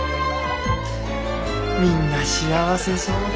みんな幸せそうで。